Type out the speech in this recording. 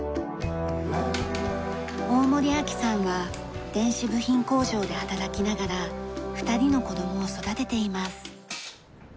大森阿希さんは電子部品工場で働きながら２人の子供を育てています。